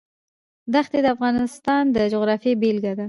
ښتې د افغانستان د جغرافیې بېلګه ده.